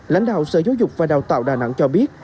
lãnh đạo sở giáo dục và đào tạo đà nẵng cho biết